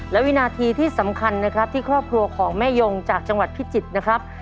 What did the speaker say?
และวินาทีที่สำคัญนะครับที่ครอบครัวของแม่ยงจากจังหวัดพิจิตรนะครับ